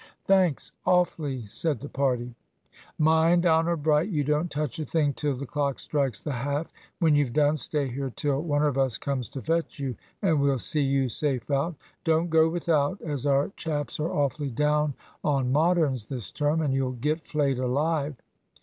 "Thanks awfully," said the party. "Mind! honour bright you don't touch a thing till the clock strikes the half. When you've done, stay here till one of us comes to fetch you, and we'll see you safe out. Don't go without, as our chaps are awfully down on Moderns this term, and you'll get flayed alive.